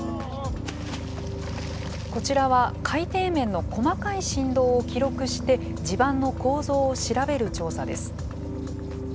こちらは海底面の細かい振動を記録して地盤の構造を調べる調査です。